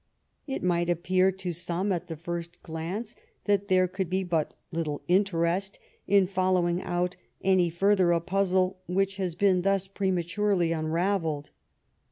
It might appear to some at the first glance that there could be but little interest in following out any further a puzzle which had been thus prematurely unravelled.